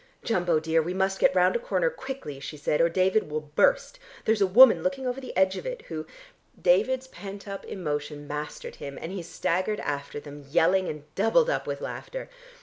"Jumbo, dear, we must get round a corner quickly," she said, "or David will burst. There's a woman looking over the edge of it, who " David's pent up emotion mastered him, and he staggered after them yelling and doubled up with laughter.